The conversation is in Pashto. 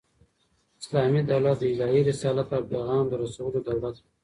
اسلامي دولت د الهي رسالت او پیغام د رسولو دولت دئ.